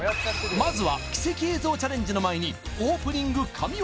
まずは奇跡映像チャレンジの前にオープニング神業